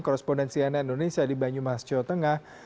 korrespondensi ana indonesia di banyumas jawa tengah